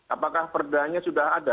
apakah perdahannya sudah ada